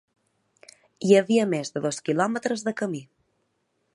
Hi havia més de dos quilòmetres de camí